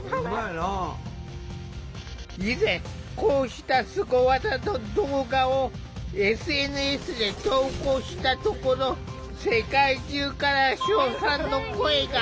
以前こうしたスゴ技の動画をＳＮＳで投稿したところ世界中から称賛の声が。